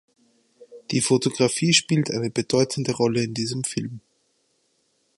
Die Fotografie spielt eine bedeutende Rolle in diesem Film.